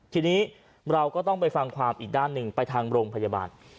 ทีนี้เราก็ต้องไปฟังความอีกด้านหนึ่งไปทางโรงพยาบาล